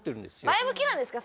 前向きなんですか？